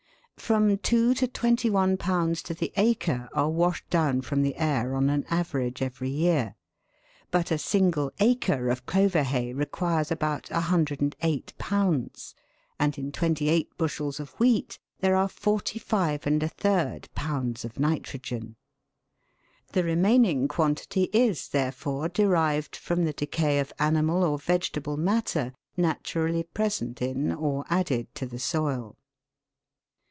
From two to twenty one pounds to the acre are washed down from the air on an average every year ; but a single acre of clover hay requires about 108 pounds, and in twenty eight bushels of wheat there are 4$J pounds of nitrogen. The remaining quantity is, therefore, derived from the decay of animal or vegetable matter naturally present in or added to the soil.